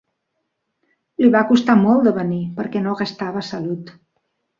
Li va costar molt de venir, perquè no gastava salut.